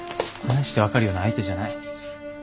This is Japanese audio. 話して分かるような相手じゃない。